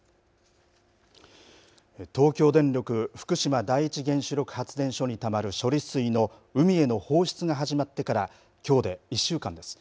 東京電力福島第一原子力発電所にたまる処理水の海への放出が始まってからきょうで１週間です。